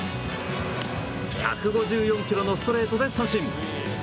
１５４キロのストレートで三振。